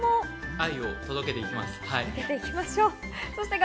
愛を届けていきます。